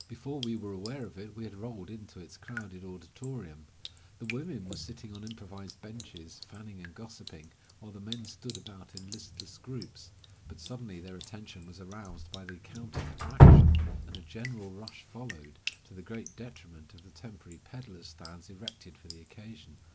Before we were aware of it we had rolled into its crowded auditorium. The women were sitting on improvised benches, fanning and gossiping, while the men stood about in listless groups. But suddenly their attention was aroused by the counter attraction, and a general rush followed, to the great detriment of the temporary peddlers' stands erected for the occasion.